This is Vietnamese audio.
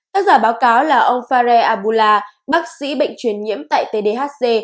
tác giả báo cáo là ông fahre aboula bác sĩ bệnh truyền nhiễm tại tdhc